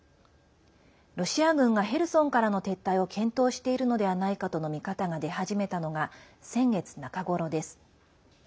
ロシア軍がヘルソンからの撤退を検討しているのではないかとの見方が出始めたのが先月中頃です。